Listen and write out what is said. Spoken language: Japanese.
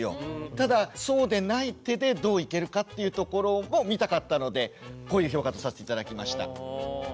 ただそうでない手でどういけるかっていうところを見たかったのでこういう評価とさせて頂きました。